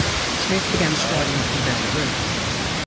Smith began striding up and down the room.